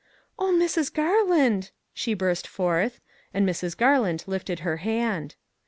" Oh, Mrs. Garland !" she burst forth, and Mrs. Garland lifted her hand.